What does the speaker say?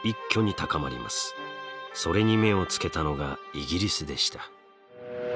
それに目をつけたのがイギリスでした。